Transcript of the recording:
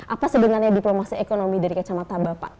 apa sebenarnya diplomasi ekonomi dari kecamataba pak